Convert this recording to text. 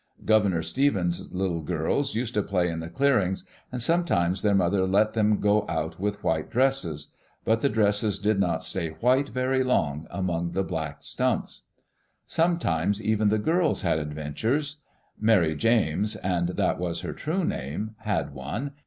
Governor Stevens's little girls used to play in the clearings, and sometimes their mother let them go put with white dresses. But the dresses did not stay white very long, among the black stumps. Sometimes even the girls had adventures. Mary James, and that was her true name, had one.